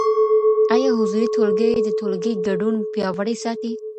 ايا حضوري ټولګي د ټولګي ګډون پیاوړی ساتي؟